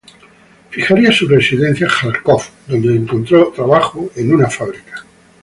Fijaría su residencia en Járkov, donde encontró trabajo en una fábrica.